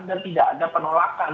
dan tidak ada penolakan